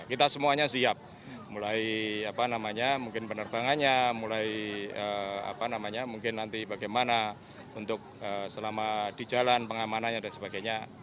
kita semuanya siap mulai penerbangannya mulai bagaimana untuk selama di jalan pengamanannya dan sebagainya